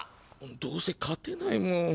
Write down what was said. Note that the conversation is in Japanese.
どうせ勝てないもん。